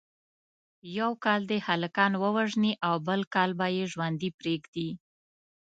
یو کال دې هلکان ووژني او بل کال به یې ژوندي پریږدي.